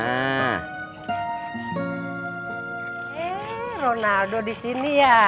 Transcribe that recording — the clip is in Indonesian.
eh ronaldo disini ya